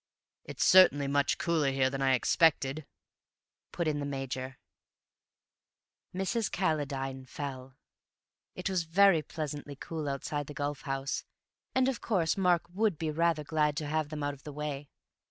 "It's certainly much cooler here than I expected," put in the Major. Mrs. Calladine fell. It was very pleasantly cool outside the golf house, and of course Mark would be rather glad to have them out of the way.